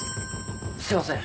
すいません。